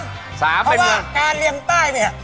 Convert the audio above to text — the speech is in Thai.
เพราะว่าการเลี่ยงใต้เนี่ย